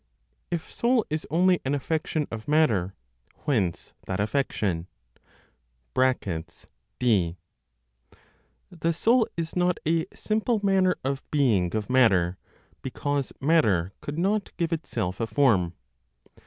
IF SOUL IS ONLY AN AFFECTION OF MATTER, WHENCE THAT AFFECTION? (d.) (The soul is not a simple manner of being of matter, because matter could not give itself a form.)